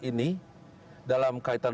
ini dalam kaitan